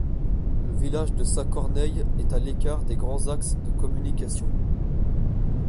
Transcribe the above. Le village de Saint-Corneille est à l'écart des grands axes de communication.